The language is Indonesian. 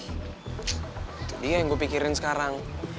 itu dia yang gue pikirin sekarang